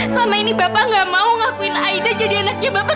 selama ini bapak gak mau ngakuin aida jadi anaknya bapak